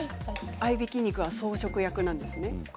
あいびき肉は装飾役なんですね。